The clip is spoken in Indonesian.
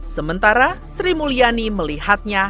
sementara sri mulyani melihatnya